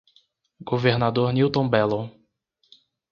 Governador Newton Bello